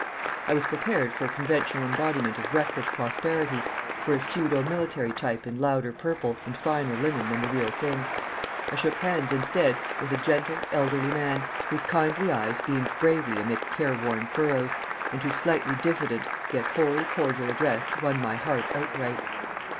I was prepared for a conventional embodiment of reckless prosperity, for a pseudo military type in louder purple and finer linen than the real thing. I shook hands instead with a gentle, elderly man, whose kindly eyes beamed bravely amid careworn furrows, and whose slightly diffident yet wholly cordial address won my heart outright.